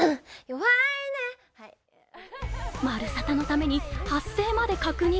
「まるサタ」のために発声まで確認。